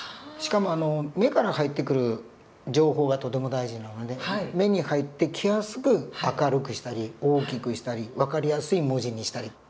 しかも目から入ってくる情報がとても大事なので目に入ってきやすく明るくしたり大きくしたり分かりやすい文字にしたり。